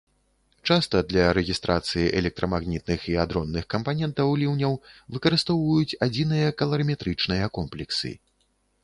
Часта для рэгістрацыі электрамагнітных і адронных кампанентаў ліўняў выкарыстоўваюць адзіныя каларыметрычныя комплексы.